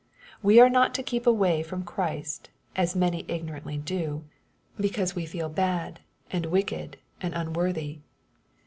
We are not to keep away from Christ, as many ignorantly do, because we feel bad, and 86 EXPOSITOBT THOUGHTH wicked, and unworthy.